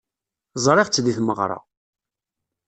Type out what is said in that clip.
Ẓriɣ-tt deg tmeɣra.